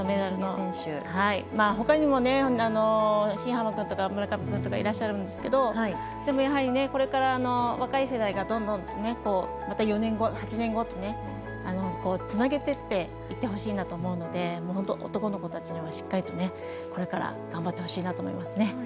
ほかにも、新濱君とか村上君とかいらっしゃるんですけどでもやはり、これから若い世代がどんどん４年後、８年後とつなげてってほしいなと思うので男の子たちにはしっかりとこれから頑張ってほしいなと思いますね。